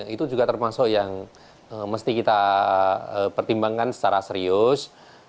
itu juga termasuk yang mesti kita pertimbangkan secara serius